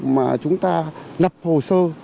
mà chúng ta lập hồ sơ